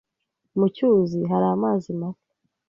Mu cyuzi hari amazi make.